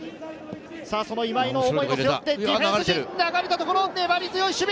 その今井の思いも背負ってディフェンス陣、流れたところ、粘り強い守備！